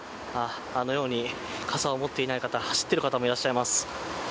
あのように、傘を持っていない方走っている方もいらっしゃいます。